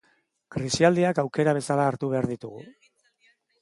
Krisialdiak aukera bezala hartu behar ditugu.